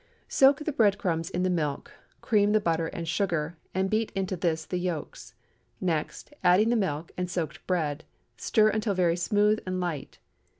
Soak the bread crumbs in the milk, cream the butter and sugar, and beat into this the yolks. Next, adding the milk and soaked bread, stir until very smooth and light.